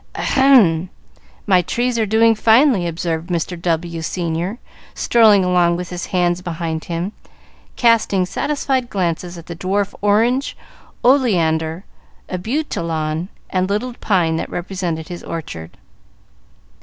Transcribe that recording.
"Ahem! My trees are doing finely," observed Mr. W., senior, strolling along with his hands behind him, casting satisfied glances at the dwarf orange, oleander, abutilon, and little pine that represented his orchard.